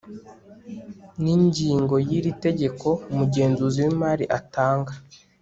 n ingingoy iri tegeko umugenzuzi w imari atanga